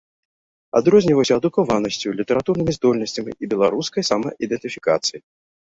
Адрозніваўся адукаванасцю, літаратурнымі здольнасцямі і беларускай самаідэнтыфікацыяй.